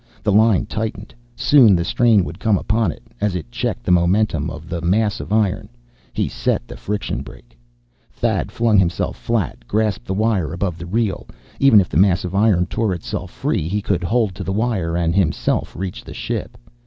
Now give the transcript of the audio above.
The line tightened. Soon the strain would come upon it, as it checked the momentum of the mass of iron. He set the friction brake. Thad flung himself flat, grasped the wire above the reel. Even if the mass of iron tore itself free, he could hold to the wire, and himself reach the ship.